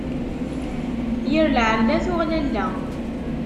Yir lɛella tuɣ lalla.